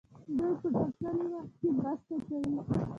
دوی په ټاکلي وخت کې مرسته کوي.